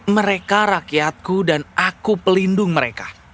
mereka rakyatku dan aku pelindung mereka